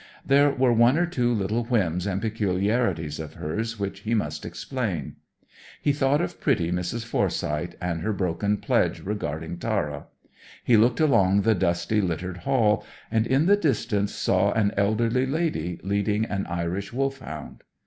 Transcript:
There were one or two little whims and peculiarities of hers which he must explain. He thought of pretty Mrs. Forsyth and her broken pledge regarding Tara. He looked along the dusty, littered hall, and, in the distance, saw an elderly lady leading an Irish Wolfhound.